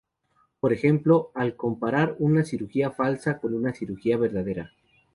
Por ejemplo, al comparar una cirugía falsa con una cirugía verdadera.